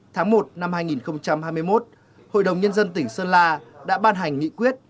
tháng một năm hai nghìn hai mươi một hội đồng nhân dân tỉnh sơn la đã ban hành nghị quyết